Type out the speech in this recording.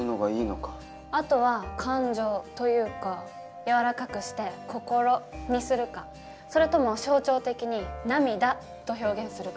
あとは「感情」と言うか軟らかくして「こころ」にするかそれとも象徴的に「涙」と表現するか。